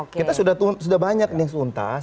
kita sudah banyak yang untas